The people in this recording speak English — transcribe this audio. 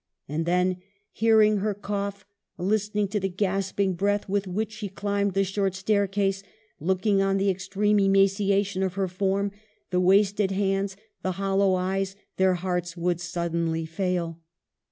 305 and then, hearing her cough, listening to the gasping breath with which she climbed the short staircase, looking on the extreme emaciation of her form, the wasted hands, the hollow eyes, their hearts would suddenly fail.